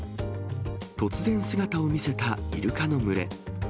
突然、姿を見せたイルカの群れ。